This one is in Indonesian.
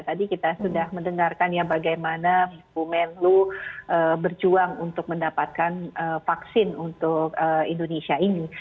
tadi kita sudah mendengarkan ya bagaimana bu menlu berjuang untuk mendapatkan vaksin untuk indonesia ini